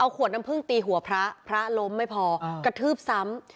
ขวดน้ำพึ่งตีหัวพระพระล้มไม่พอกระทืบซ้ำ